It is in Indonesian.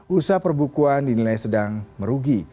usaha perbukuan dinilai sedang merugi